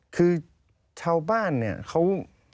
คือชาวบ้านเนี่ยเขา